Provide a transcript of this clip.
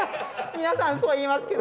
皆さんそう言いますけど。